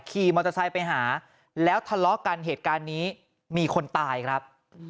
ขี่มอเตอร์ไซค์ไปหาแล้วทะเลาะกันเหตุการณ์นี้มีคนตายครับ